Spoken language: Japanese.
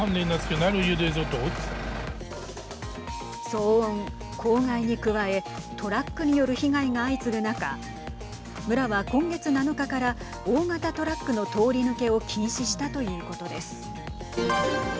騒音・公害に加えトラックによる被害が相次ぐ中村は、今月７日から大型トラックの通り抜けを禁止したということです。